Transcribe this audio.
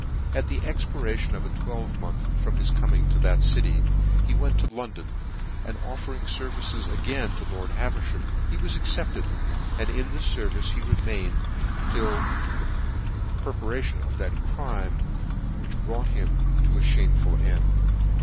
At the expi ration of a twelvemonth from his coming to that city, he went to London, and offering his fer vice again to lord Haverfham, he was accepted, and in this fervice he remained till the perpetra tion of the crime which brought him to a fhame ful end.